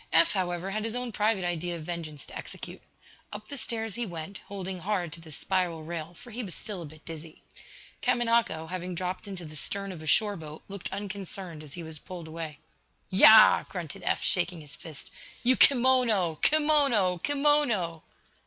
Eph, however, had his own private idea of vengeance to execute. Up the stairs he went, holding hard to the spiral rail, for he was still a bit dizzy. Kamanako, having dropped into the stern of a shore boat, looked unconcerned as he was pulled away. "Yah!" grunted Eph, shaking his fist. "You kimono! Kimono! Kimono!"